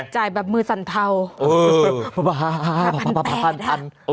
จ่ายแบบมือสันเทา๕๘๐๐บาท